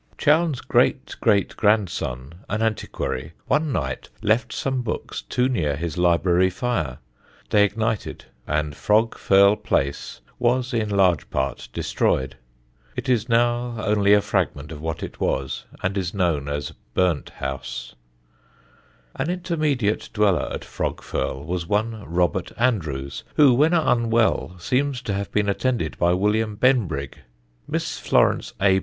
Chowne's great great grandson, an antiquary, one night left some books too near his library fire; they ignited, and Frog Firle Place was in large part destroyed. It is now only a fragment of what it was, and is known as Burnt House. [Sidenote: AN ALFRISTON DOCTOR] An intermediate dweller at Frog Firle was one Robert Andrews, who, when unwell, seems to have been attended by William Benbrigg. Miss Florence A.